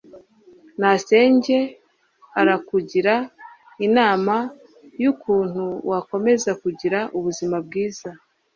Masenge arakugira inama yukuntu wakomeza kugira ubuzima bwiza.